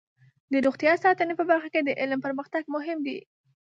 د روغتیا ساتنې په برخه کې د علم پرمختګ مهم دی.